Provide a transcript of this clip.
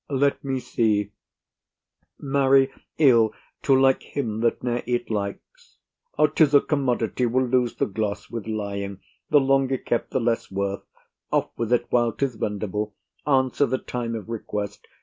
Let me see. Marry, ill, to like him that ne'er it likes. 'Tis a commodity will lose the gloss with lying; the longer kept, the less worth. Off with't while 'tis vendible; answer the time of request.